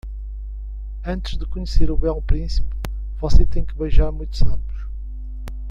Antes de conhecer o belo príncipe, você tem que beijar muitos sapos.